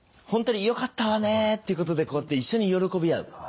「本当によかったわね」っていうことでこうやって一緒に喜び合う。